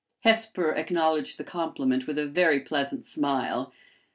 Hesper acknowledged the compliment with a very pleasant smile.